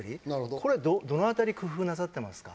これどのあたり工夫なさってますか？